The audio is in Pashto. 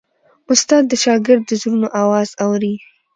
استاد د شاګرد د زړونو آواز اوري.